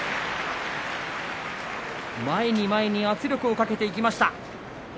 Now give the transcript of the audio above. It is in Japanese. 前に前に圧力をかけていきました。